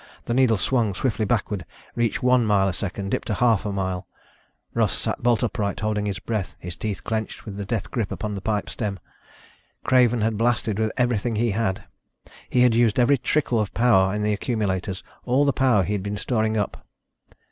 The needle swung swiftly backward, reached one mile a second, dipped to half a mile. Russ sat bolt upright, holding his breath, his teeth clenched with death grip upon the pipe stem. Craven had blasted with everything he had! He had used every last trickle of power in the accumulators ... all the power he had been storing up.